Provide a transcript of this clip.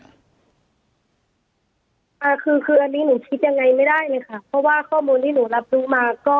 อ่าคือคืออันนี้หนูคิดยังไงไม่ได้เลยค่ะเพราะว่าข้อมูลที่หนูรับรู้มาก็